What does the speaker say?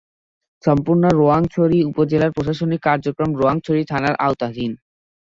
সম্পূর্ণ রোয়াংছড়ি উপজেলার প্রশাসনিক কার্যক্রম রোয়াংছড়ি থানার আওতাধীন।